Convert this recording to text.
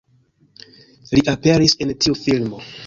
Li aperis en tiu filmo